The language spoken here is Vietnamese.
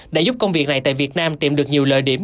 đã giúp công việc này tại việt nam tìm được nhiều lợi điểm